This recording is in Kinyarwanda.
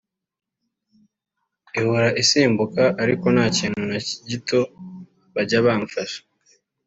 Ihora isambuka ariko nta kintu na gito bajya bapfasha